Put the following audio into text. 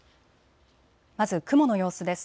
まず雲の様子です。